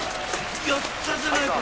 やったじゃないか！